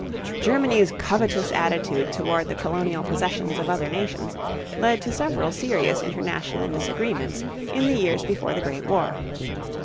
Germany's covetous attitude toward the colonial possessions of other nations led to several serious international disagreements in the years before the Great War.